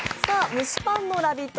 蒸しパンのラヴィット！